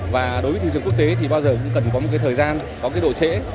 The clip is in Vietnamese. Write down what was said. và đối với thị trường quốc tế thì bao giờ cũng cần có một thời gian có cái độ trễ